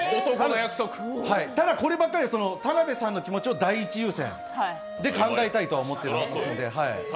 ただ、こればっかりは田辺さんの気持ちを第一優先で考えたいと思っていますので。